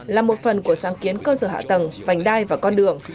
là một phần của sáng kiến cơ sở hạ tầng vành đai và con đường